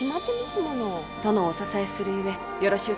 殿をお支えするゆえよろしゅう